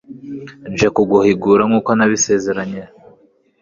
nje kuguhigura nk’uko nabisezeranye